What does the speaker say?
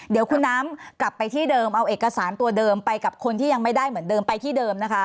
เดี๋ยวคุณน้ำกลับไปที่เดิมเอาเอกสารตัวเดิมไปกับคนที่ยังไม่ได้เหมือนเดิมไปที่เดิมนะคะ